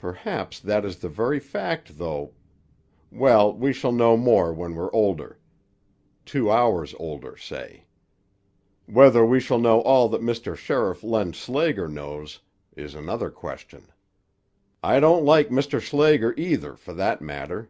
Perhaps that is the very fact, though—Well, we shall know more when we're older; two hours older, say. Whether we shall know all that Mr. Sheriff Len Schlager knows, is another question. I don't like Mr. Schlager, either, for that matter."